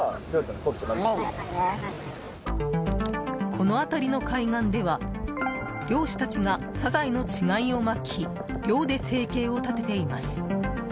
この辺りの海岸では漁師たちがサザエの稚貝をまき漁で生計を立てています。